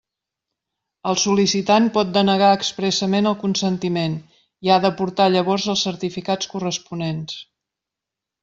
El sol·licitant pot denegar expressament el consentiment i ha d'aportar llavors els certificats corresponents.